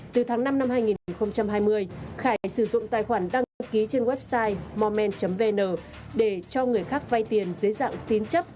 từ tháng năm năm hai nghìn hai mươi khải sử dụng tài khoản đăng ký trên website morman vn để cho người khác vay tiền dưới dạng tín chấp